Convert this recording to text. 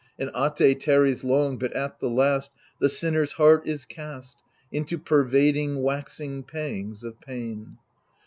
And At^ tarries long, but at the last The sinner's heart is cast Into pervading, waxing pangs of pain.